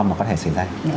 mà có thể xảy ra